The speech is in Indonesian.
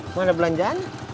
emang ada belanjaan